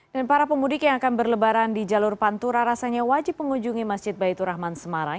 dan para pemudik yang akan berlebaran di jalur pantura rasanya wajib mengunjungi masjid baitur rahman semarang